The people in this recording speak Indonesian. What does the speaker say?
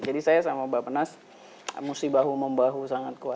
jadi saya sama bapak nas mesti bahu membahu sangat kuat